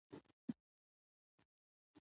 د بیان ازادي سیاسي پرمختګ ته ګټه رسوي